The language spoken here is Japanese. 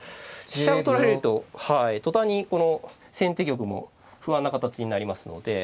飛車を取られると途端にこの先手玉も不安な形になりますので。